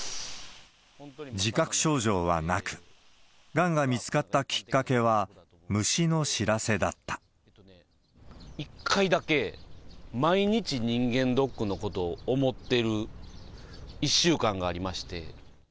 自覚症状はなく、がんが見つかったきっかけは、１回だけ、毎日、人間ドックのことを思ってる１週間がありまして。